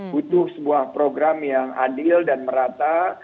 butuh sebuah program yang adil dan merata